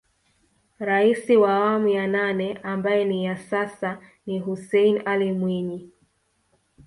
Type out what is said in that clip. Rais wa awamu ya nane ambaye ni ya sasa ni Hussein Ally Mwinyi